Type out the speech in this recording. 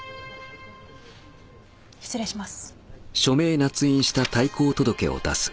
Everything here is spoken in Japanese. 失礼します。